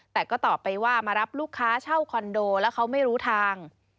แต่ก็ตอบไปว่ามารับลูกค้าเช่าคอนโดแล้วเขาไม่รู้ทาง